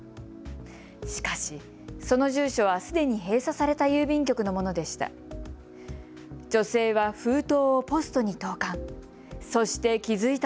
しかし、その住所はすでに閉鎖された郵便局のものでした。